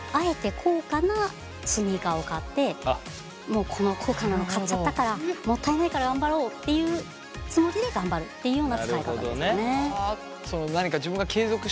もうこの高価なの買っちゃったからもったいないから頑張ろうっていうつもりで頑張るっていうような使い方ですかね。